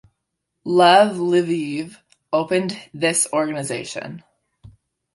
Lev Leviev opened this organization.